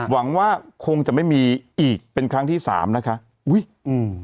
หวังว่าคงจะไม่มีอีกเป็นครั้งที่สามนะคะอุ้ยอืม